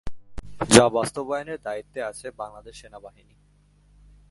যা বাস্তবায়নের দায়িত্বে আছে বাংলাদেশ সেনাবাহিনী।